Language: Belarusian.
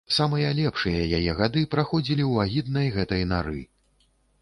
Самыя лепшыя яе гады праходзілі ў агіднай гэтай нары.